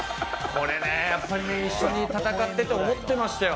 これねやっぱりね一緒に戦ってて思ってましたよ。